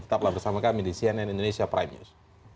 tetaplah bersama kami di cnn indonesia prime news